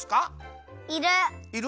いる。